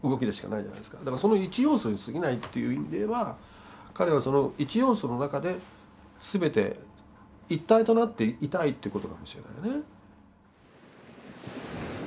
だからその一要素にすぎないっていう意味で言えば彼はその一要素の中で全て一体となっていたいっていうことかもしれないね。